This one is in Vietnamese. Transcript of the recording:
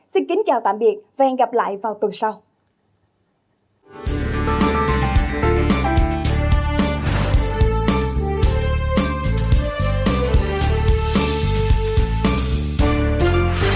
xin kính chào tạm biệt và hẹn gặp lại vào tuần sau